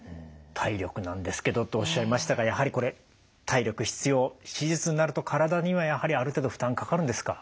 「体力なんですけど」とおっしゃいましたがやはりこれ体力必要手術になると体にはやはりある程度負担かかるんですか？